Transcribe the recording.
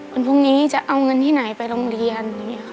วันพรุ่งนี้จะเอาเงินที่ไหนไปโรงเรียน